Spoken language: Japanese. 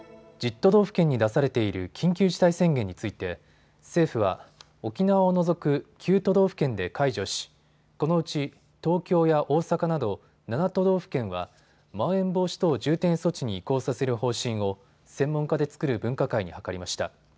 都道府県に出されている緊急事態宣言について政府は沖縄を除く９都道府県で解除しこのうち東京や大阪など７都道府県はまん延防止等重点措置に移行させる方針を専門家で作る分科会に諮りました。